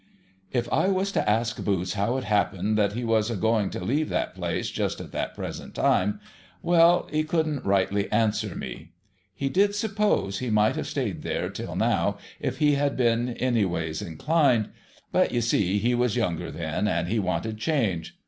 If I was to ask Boots how it happened that he was a going to leave that place just at that present time, well, he couldn't rightly io6 THE HOLLY TREE answer me. He did suppose he miglit have stayed there till now if he had been anyways inclined. But, you see, he was younger then, and he wanted change.